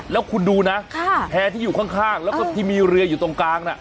แล้วคุณดูนะแพร่ที่อยู่ข้างแล้วก็ที่มีเรืออยู่ตรงกลางน่ะ